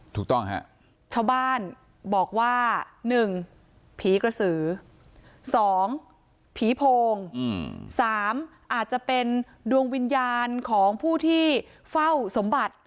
ถูกต้องฮะชาวบ้านบอกว่า๑ผีกระสือ๒ผีโพง๓อาจจะเป็นดวงวิญญาณของผู้ที่เฝ้าสมบัติ